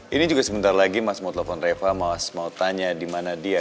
ini juga sebentar lagi mas mau tanya di mana dia